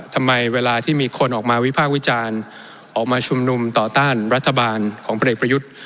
ทำไมเวลาที่มีคนออกมาวิภาควิจารณ์ออกมาชุมนุมต่อต้านรัฐบาลของพลเอกประยุทธ์